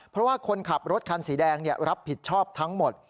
เพราะว่าคนขับรถคันสีแดงรับผิดชอบทั้งหมด